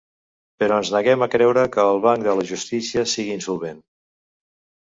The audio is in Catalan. Però ens neguem a creure que el banc de la justícia sigui insolvent.